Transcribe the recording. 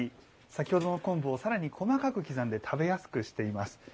先ほどの昆布をさらに細かく刻んで食べやすくしています。